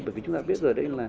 bởi vì chúng ta biết rồi